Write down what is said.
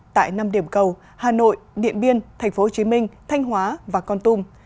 tại năm điểm cầu hà nội điện biên tp hcm thanh hóa và con tum